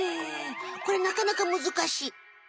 これなかなかむずかしい。